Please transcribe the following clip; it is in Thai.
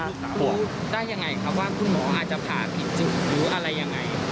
บอกได้ยังไงครับว่าคุณหมออาจจะผ่าผิดจุดหรืออะไรยังไง